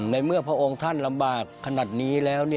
ในเมื่อพระองค์ท่านลำบากขนาดนี้แล้ว